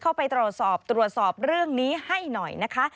เข้าไปตรวจสอบตรวจสอบเรื่องนี้ให้หน่อยนะคะ